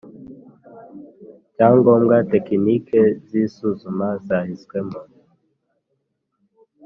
cyangombwa Tekinike z isuzuma zahiswemo